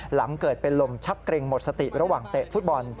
หลังเกิดเป็นลมชักเกร็งหมดสติระหว่างเตะฟุตบอล